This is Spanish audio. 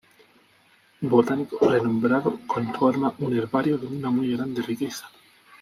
Botánico renombrado, conforma un herbario de una muy grande riqueza.